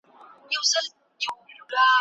په ماڼۍ کې په لمبلو عادت نه دی